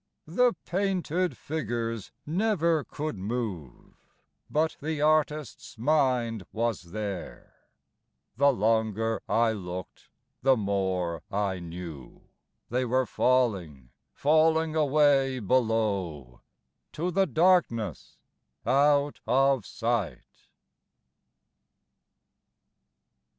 The painted figures never could move, But the artist's mind was there: The longer I look'd the more I knew They were falling, falling away below To the darkness out of sight.